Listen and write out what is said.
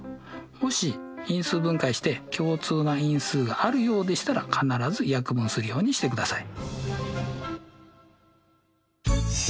もし因数分解して共通な因数があるようでしたら必ず約分するようにしてください。